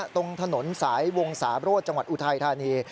ตรงถนนสายวงสาโรธจังหวัดอุทัยธานี